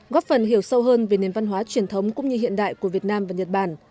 góp phần hiểu sâu hơn về nền văn hóa truyền thống cũng như hiện đại của việt nam và nhật bản